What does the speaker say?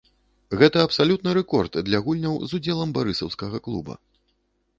Гэта абсалютны рэкорд для гульняў з удзелам барысаўскага клуба.